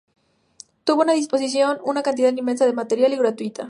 Tuvo a su disposición una cantidad inmensa de material, y gratuita.